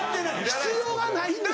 必要がないんだ。